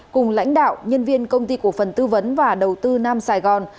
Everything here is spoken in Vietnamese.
cùng lãnh đạo nhân viên công ty cổ phần tư vấn và đầu tư nam sài gòn